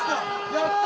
やった！